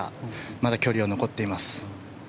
まだ距離は残っています。